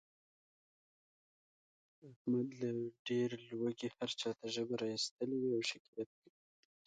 احمد له ډېر لوږې هر چاته ژبه را ایستلې وي او شکایت کوي.